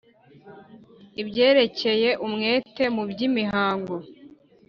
Ibyerekeye umwete mu by’imihango